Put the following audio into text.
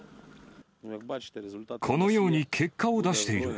このように結果を出している。